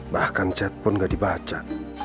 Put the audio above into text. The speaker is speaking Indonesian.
bahkan chat pun gak dibaca